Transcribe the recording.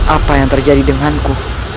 apa yang terjadi denganku